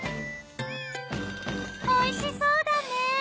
おいしそうだね！